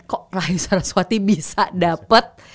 kok raih saraswati bisa dapet